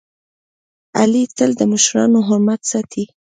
علي تل د مشرانو حرمت ساتي.